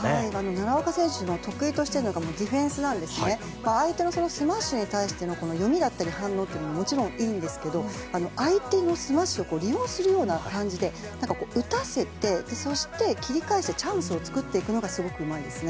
奈良岡選手の得意としているのが相手のスマッシュに対しての読みだったり反応というのももちろんいいんですが相手のスマッシュを利用するような感じで打たせて、そして切り返してチャンスを作っていくのがすごくうまいです。